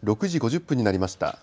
６時５０分になりました。